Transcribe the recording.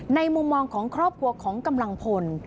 มุมมองของครอบครัวของกำลังพล